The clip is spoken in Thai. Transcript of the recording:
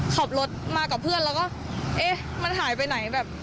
ขับรถมากับเพื่อนแล้วก็เอ๊ะมันหายไปไหนแบบ